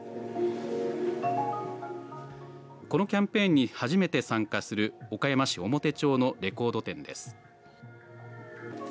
このキャンペーンに初めて参加する岡山市表町のレコード店です。